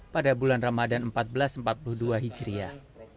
pada bulan ramadan seribu empat ratus empat puluh dua hijriah